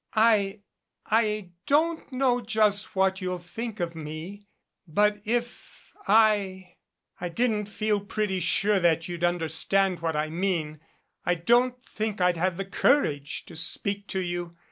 "I I don't know just what you'll think of me, but if I I didn't feel pretty sure that you'd understand what I mean I don't think I'd have the courage to speak to you.